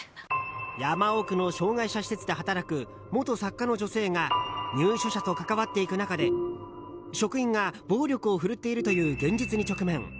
山奥の障害者施設で働く元作家の女性が入所者と関わっていく中で職員が暴力を振るっているという現実に直面。